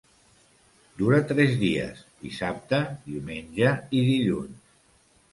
Dura tres dies: dissabte, diumenge i dilluns.